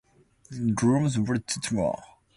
The rooms were too small for him to stand up in fully.